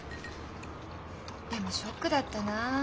でもショックだったなあ。